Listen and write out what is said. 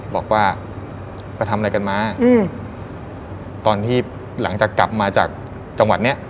บอกว่าไปทำอะไรกันมาอืมตอนที่หลังจากกลับมาจากจังหวัดเนี้ย